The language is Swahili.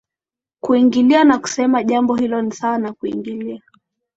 kuingilia na kusema jambo hilo ni sawa na kuingilia